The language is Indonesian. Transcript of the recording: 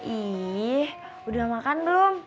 ih udah makan belum